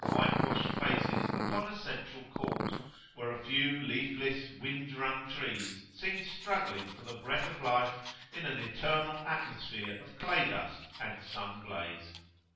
20]white washed faces upon a central court, where a few leafless wind wrung trees seem struggling for the breath of life in an eternal atmosphere of clay dust and sun blaze.